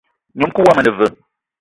Ngnom-kou woma ane veu?